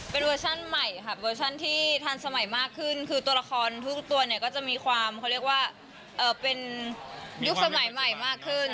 เป็นเวอร์ชั่นใหม่ค่ะเวอร์ชันที่ทันสมัยมากขึ้นคือตัวละครทุกตัวเนี่ยก็จะมีความเขาเรียกว่าเป็นยุคสมัยใหม่มากขึ้น